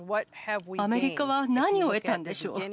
アメリカは何を得たんでしょう。